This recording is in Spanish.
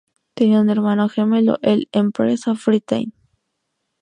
Tenía un hermano gemelo, el "Empress of Britain".